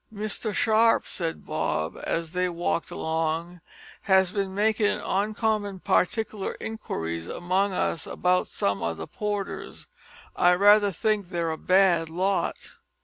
"Mr Sharp," said Bob, as they walked along, "has bin makin' oncommon partikler inquiries among us about some o' the porters. I raither think they're a bad lot."